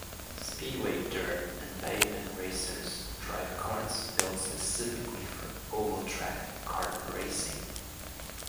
Speedway Dirt and Pavement racers drive karts built specifically for oval-track kart racing.